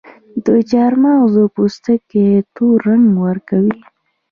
د چارمغز پوستکي تور رنګ ورکوي.